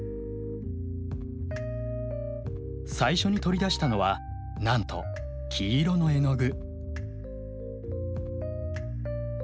最初に取り出したのはなんと黄色の絵の具。